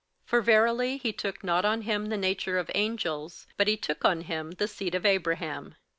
58:002:016 For verily he took not on him the nature of angels; but he took on him the seed of Abraham.